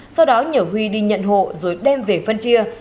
sau đó nhờ huy đi nhận hộ rồi đem về phân chia